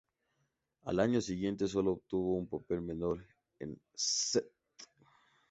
Al año siguiente solo obtuvo un papel menor en "St.